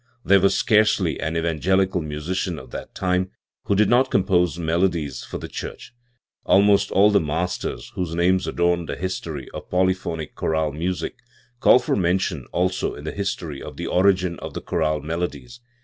There was scarcely an evangelical musician of that time who did not compose melodies for the church. Almost all the masters whose names adorn the history of polyphonic choral music call for mention also in the history of the origin of the chorale melodies.